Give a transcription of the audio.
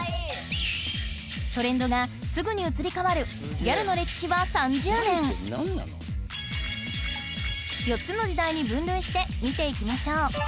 トレンドがすぐに移り変わるギャルの歴史は３０年４つの時代に分類して見ていきましょう